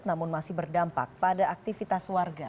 namun masih berdampak pada aktivitas warga